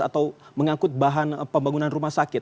atau mengangkut bahan pembangunan rumah sakit